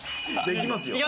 いきますよ